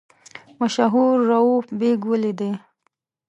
مشهور رووف بېګ ولیدی.